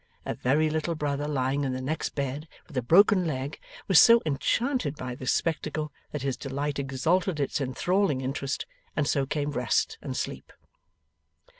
A very little brother lying in the next bed with a broken leg, was so enchanted by this spectacle that his delight exalted its enthralling interest; and so came rest and sleep.